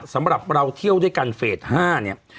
สำหรับเราเที่ยวด้วยกันเฟส๕เนี่ย